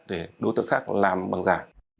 để đối tượng khác làm bằng giả